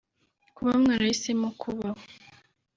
Kuba mwarahisemo kubaho